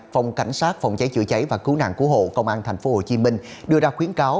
phòng cảnh sát phòng cháy chữa cháy và cứu nạn cứu hộ công an tp hcm đưa ra khuyến cáo